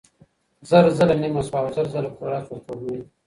زر ځله نيمه سوه او زر ځله پوره سوه سپوږمۍ